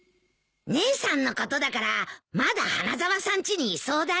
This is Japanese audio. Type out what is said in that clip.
姉さんのことだからまだ花沢さんちにいそうだね。